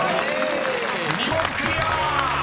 ［２問クリア！］